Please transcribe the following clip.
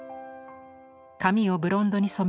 髪をブロンドに染め